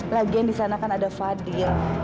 lagian di sana kan ada fadil